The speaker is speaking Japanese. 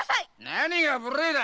何が「無礼」だ！